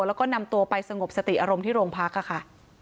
แล้วก็นำตัวไปสงบสติอารมณ์ที่โรงพักค่ะ